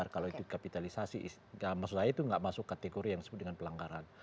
tapi kalau yang misalnya mengkapitalisasi maksud saya itu gak masuk kategori yang disebut dengan pelanggaran